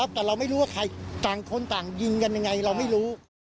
แต่เราไม่รู้ว่าใครต่างคนต่างยิงกันยังไงเราไม่รู้